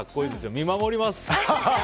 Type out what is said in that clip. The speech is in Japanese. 見守ります！